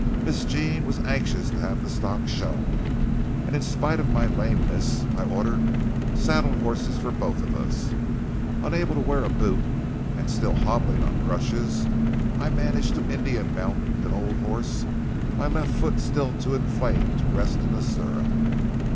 Miss Jean was anxious to have the stock shown, and in spite of my lameness I ordered saddle horses for both of us. Unable to wear a boot and still hobbling on crutches, I managed to Indian mount an old horse, my left foot still too inflamed to rest in the stirrup.